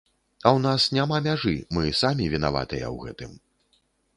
А ў нас няма мяжы, мы самі вінаватыя ў гэтым.